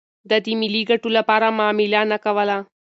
ده د ملي ګټو لپاره معامله نه کوله.